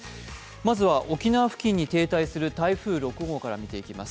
まずは沖縄付近に停滞する台風６号から見ていきます。